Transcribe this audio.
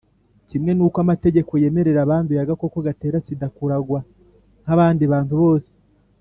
kimwe n’uko amategeko yemerera abanduye agakoko gatera sida kuragwa nk’abandi bantu bose ;